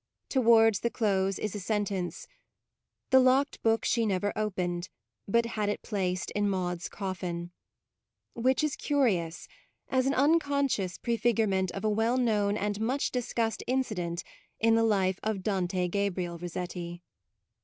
Towards the close is a sentence, u The lock ed book she never opened, but had it placed in Maude's coffin "; which is curious, as an unconscious pre figurement of a well known and much discussed incident in the life of Dante Gabriel Rossetti.